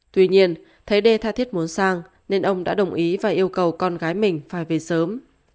tuy nhiên thấy đê tha thiết muốn sang nên ông đã đồng ý và yêu cầu con gái mình phải về sớm